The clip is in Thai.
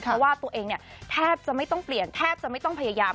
เพราะว่าตัวเองเนี่ยแทบจะไม่ต้องเปลี่ยนแทบจะไม่ต้องพยายาม